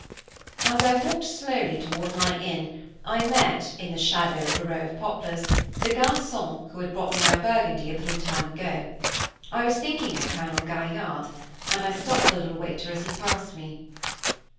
As I walked slowly toward my inn, I met, in the shadow of a row of poplars, the garçon who had brought me my Burgundy a little time ago. I was thinking of Colonel Gaillarde, and I stopped the little waiter as he passed me.